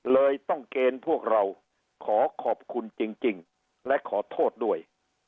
เลยต้องเกณฑ์พวกเราขอขอบคุณจริงและขอโทษด้วย